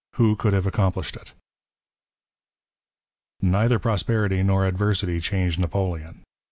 Who could have accomplished " it ?" Neither prosperity nor adversity changed Napoleon.